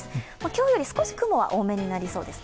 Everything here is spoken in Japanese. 今日より少し雲は多めになりそうです。